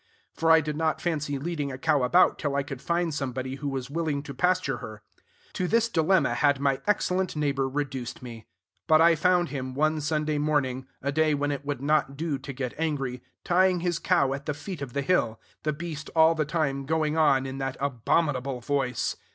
for I did not fancy leading a cow about till I could find somebody who was willing to pasture her. To this dilemma had my excellent neighbor reduced me. But I found him, one Sunday morning, a day when it would not do to get angry, tying his cow at the foot of the hill; the beast all the time going on in that abominable voice.